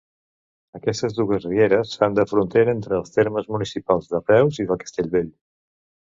Aquestes dues rieres fan de frontera entre els termes municipals de Reus i de Castellvell.